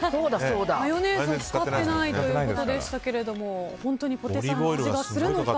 マヨネーズを使ってないということでしたけど本当にポテサラの味がするのか。